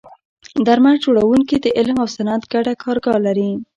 درمل جوړونکي د علم او صنعت ګډه کارګاه لري.